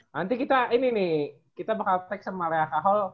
nanti kita ini nih kita bakal take sama lea cahal